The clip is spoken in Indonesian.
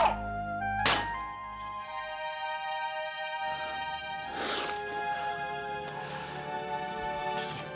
kamu nggak ada lagi